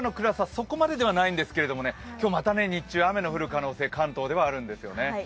そこまでではないんですけどね、今日、また日中雨の降る可能性が関東ではあるんですね。